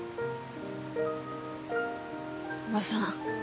おばさん。